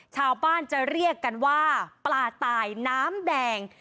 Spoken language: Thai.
ชาวบ้านจะเรียกกันว่าปลาตายน้ำแดง